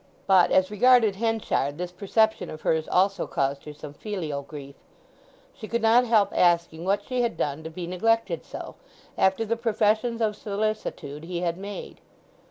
But, as regarded Henchard, this perception of hers also caused her some filial grief; she could not help asking what she had done to be neglected so, after the professions of solicitude he had made.